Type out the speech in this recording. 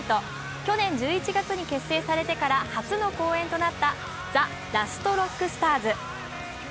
去年１１月に結成されてから初の公演となったＴＨＥＬＡＳＴＲＯＣＫＳＴＡＲＳ。